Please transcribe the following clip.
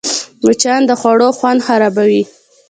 مچان د خوړو خوند خرابوي